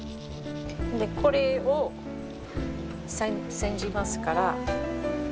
これを煎じますから。